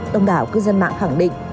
đông đảo cư dân mạng khẳng định